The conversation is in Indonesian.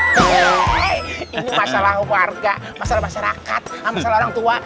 hei ini masalah keluarga masalah masyarakat masalah orang tua